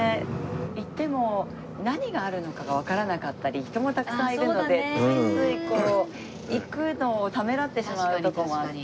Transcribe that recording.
行っても何があるのかがわからなかったり人もたくさんいるのでついついこう行くのをためらってしまうとこもあって。